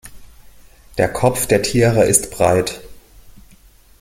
Der Kopf der Tiere ist breit.